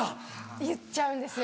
言っちゃうんですよ。